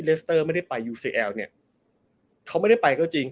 สเตอร์ไม่ได้ไปยูเซแอลเนี่ยเขาไม่ได้ไปก็จริง